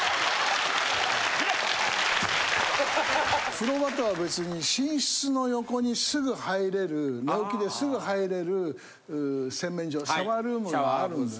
風呂場とは別に寝室の横にすぐ入れる寝起きですぐ入れる洗面所シャワールームがあるんですよ。